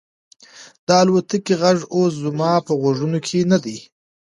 د الوتکې غږ اوس زما په غوږونو کې نه دی.